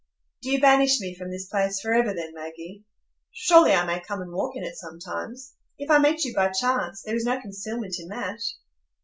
"Do you banish me from this place forever, then, Maggie? Surely I may come and walk in it sometimes? If I meet you by chance, there is no concealment in that?"